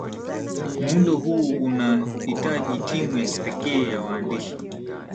muundo huu unatahitaji timu ya kipekee ya waandishi